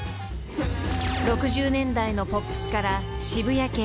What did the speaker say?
［６０年代のポップスから渋谷系。